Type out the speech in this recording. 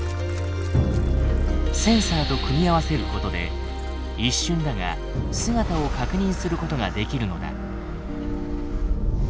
センサーと組み合わせることで一瞬だが姿を確認することができるのだ。